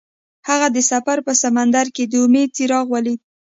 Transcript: هغه د سفر په سمندر کې د امید څراغ ولید.